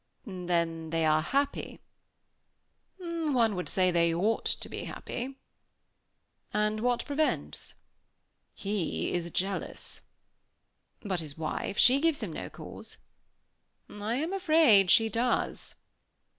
"Then they are very happy?" "One would say they ought to be happy." "And what prevents?" "He is jealous." "But his wife she gives him no cause." "I am afraid she does."